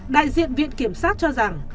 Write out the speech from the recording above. đại diện viện kiểm sát cho rằng